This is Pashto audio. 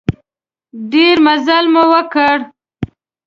ډېر مزل مو وکړ.